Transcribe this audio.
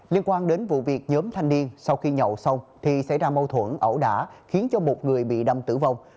liên quan đến vụ việc nhóm thanh niên sau khi nhậu xong thì xảy ra mâu thuẫn ẩu đả khiến cho một người bị đâm tử vong